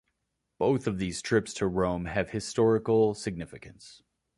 Both of these trips to Rome have historical significance.